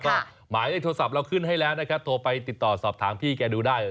ก็หมายเลขโทรศัพท์เราขึ้นให้แล้วนะครับโทรไปติดต่อสอบถามพี่แกดูได้